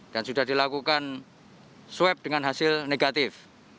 dan sudah dilakukan swab dengan hasil negatif